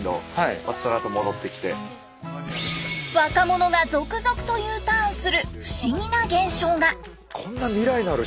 若者が続々とＵターンする不思議な現象が！